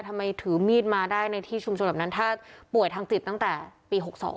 ทำไมถือมีดมาได้ในที่ชุมชนแบบนั้นถ้าป่วยทางจิตตั้งแต่ปี๖๒